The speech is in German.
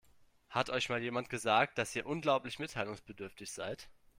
Hat euch mal jemand gesagt, dass ihr unglaublich mitteilungsbedürftig seid?